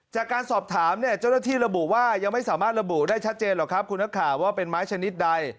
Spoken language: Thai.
จากการสอบถามเนี่ยเจ้าหน้าที่ระบุว่ายังไม่สามารถระบุได้ชัดเจนหรอกครับคุณนักข่าวว่าเป็นไม้ชนิดใด